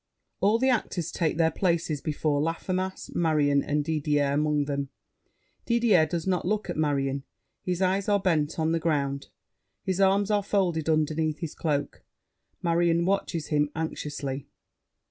[All the actors take their places before Laffemas. Marion and Didier among them. Didier does not look at Marion; his eyes are bent on the ground; his arms are folded underneath his cloak. Marion watches him anxiously.